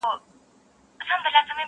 د غم قصه سړی خورا مات کړي,